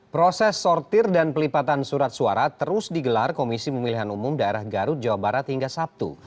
proses sortir dan pelipatan surat suara terus digelar komisi pemilihan umum daerah garut jawa barat hingga sabtu